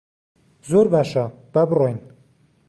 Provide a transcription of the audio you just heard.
زۆر باشە، با بڕۆین.